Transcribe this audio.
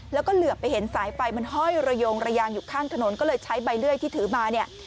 แล้วก็เหลือไปเห็นสายไฟมันห้อยระยงระยางอยู่ข้างถนนก็เลยใช้ใบเลื่อยที่ถือมาเนี่ย